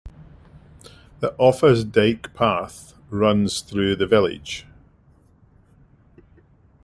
The Offa's Dyke Path runs through the village.